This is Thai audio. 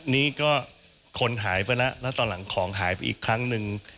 นี่ก็คนหายไปแล้วแล้วตอนหลังของหายไปอีกครั้งหนึ่ง